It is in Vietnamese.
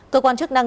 cơ quan chức năng